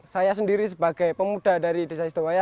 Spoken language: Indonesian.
saya sendiri sebagai pemuda dari desa sidowaya